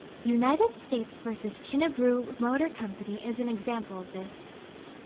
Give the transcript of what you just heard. "United States versus Kinnebrew Motor Company" is an example of this.